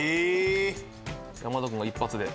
山田君が一発で。